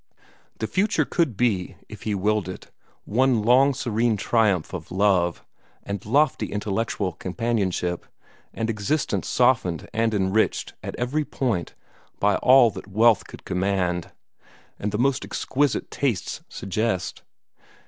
The future could be, if he willed it, one long serene triumph of love, and lofty intellectual companionship, and existence softened and enriched at every point by all that wealth could command, and the most exquisite tastes suggest.